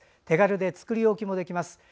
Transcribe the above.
手軽で作り置きもできます。